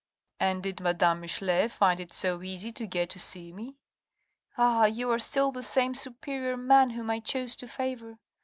" And did madame Michelet find it so easy to get to see me?" " Ah ! you are still the same superior man whom I chose to favour.